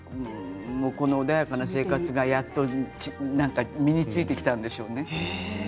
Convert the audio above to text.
穏やかな生活がやっと身についてきたんでしょうね。